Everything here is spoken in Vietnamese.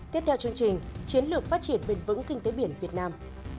được khởi xướng từ năm hai nghìn một mươi bảy